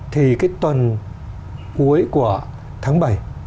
thì cái tuần cuối của tháng bảy